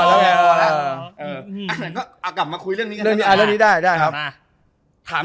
เราไม่รู้อีกที่เหลือไอ้กรีม